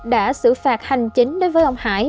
đã xử phạt hành chính đối với ông hải